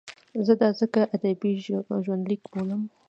زه دا ځکه ادبي ژوندلیک بولم.